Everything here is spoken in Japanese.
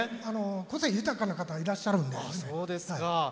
個性豊かな方がいらっしゃるんで。